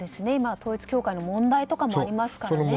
統一教会の問題とかもありますからね。